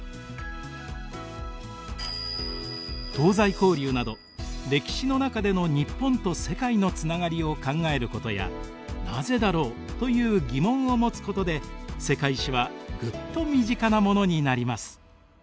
東西交流など歴史の中での日本と世界のつながりを考えることや「なぜだろう？」という疑問を持つことで「世界史」はぐっと身近なものになります。